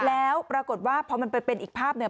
แล้วปรากฏว่าเพราะมันเป็นอีกภาพหนึ่ง